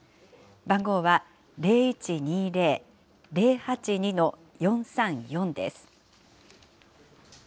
番号は、０１２０ー０８２ー４３４です。